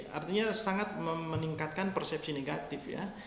artinya sangat meningkatkan persepsi negatif ya